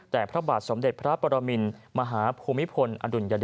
แต่พระบาทสมเด็จพระปรมินมหาภูมิพลอดุลยเดช